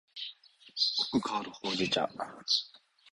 濃く香るほうじ茶